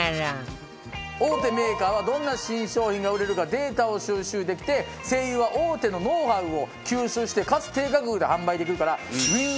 大手メーカーはどんな新商品が売れるかデータを収集できて西友は大手のノウハウを吸収してかつ低価格で販売できるから。